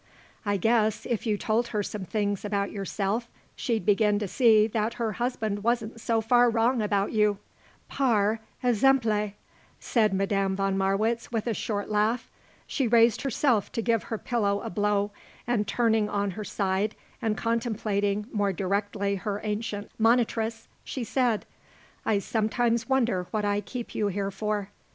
I guess if you told her some things about yourself she'd begin to see that her husband wasn't so far wrong about you." "Par exemple!" said Madame von Marwitz with a short laugh. She raised herself to give her pillow a blow and turning on her side and contemplating more directly her ancient monitress she said, "I sometimes wonder what I keep you here for."